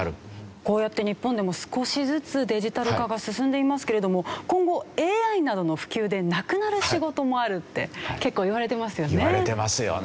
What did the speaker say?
こうやって日本でも少しずつデジタル化が進んでいますけれども今後ＡＩなどの普及でなくなる仕事もあるって結構いわれてますよね。